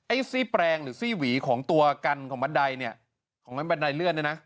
ซี่แปลงหรือซี่หวีของตัวกันของบันไดเนี่ยของบันไดเลื่อนเนี่ยนะ